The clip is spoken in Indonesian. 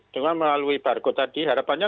dengan melalui barcode tadi harapannya